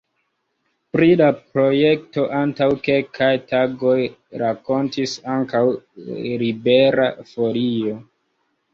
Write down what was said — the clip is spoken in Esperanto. Pri la projekto antaŭ kelkaj tagoj rakontis ankaŭ Libera Folio.